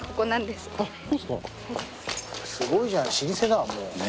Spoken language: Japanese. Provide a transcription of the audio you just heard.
すごいじゃない老舗だもう。